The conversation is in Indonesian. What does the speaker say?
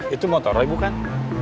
itu motorloy bukan